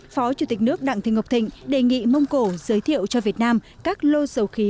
phó chủ tịch nước đặng thị ngọc thịnh đề nghị mông cổ giới thiệu cho việt nam các lô dầu khí